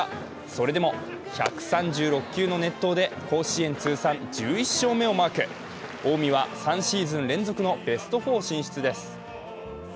それでも１３６球の熱投で甲子園通算１１勝目をマーク、近江は３シーズン連続のベスト４進出です。